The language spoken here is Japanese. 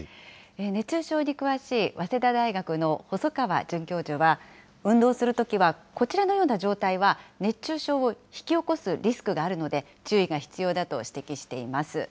熱中症に詳しい早稲田大学の細川准教授は、運動するときはこちらのような状態は、熱中症を引き起こすリスクがあるので注意が必要だと指摘しています。